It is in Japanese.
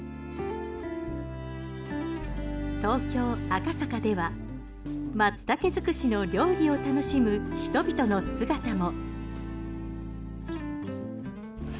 東京・赤坂ではマツタケ尽くしの料理を楽しむ人々の姿も。